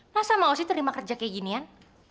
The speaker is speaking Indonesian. masa mau sih terima kerja kayak ginian